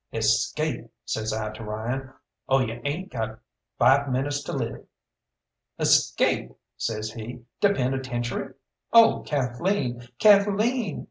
"Escape," says I to Ryan, "or you ain't got five minutes to live." "Escape!" says he "to penitentiary! Oh, Kathleen, Kathleen!"